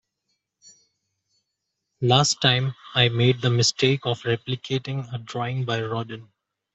Last time, I made the mistake of replicating a drawing by Rodin.